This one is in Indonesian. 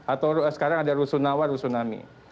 atau sekarang ada rusunawa rusunami